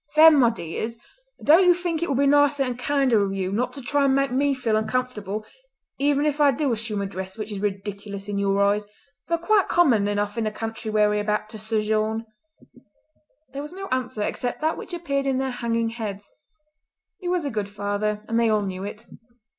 "Then, my dears, don't you think it would be nicer and kinder of you not to try and make me feel uncomfortable, even if I do assume a dress which is ridiculous in your eyes, though quite common enough in the country where we are about to sojourn?" There was no answer except that which appeared in their hanging heads. He was a good father and they all knew it.